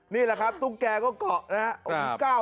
นี่แหละครับตุ๊กแกก็เกาะนะครับ